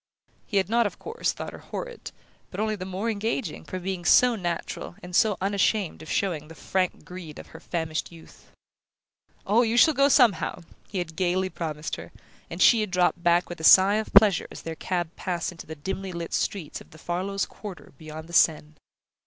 He had not, of course, thought her horrid, but only the more engaging, for being so natural, and so unashamed of showing the frank greed of her famished youth. "Oh, you shall go somehow!" he had gaily promised her; and she had dropped back with a sigh of pleasure as their cab passed into the dimly lit streets of the Farlows' quarter beyond the Seine...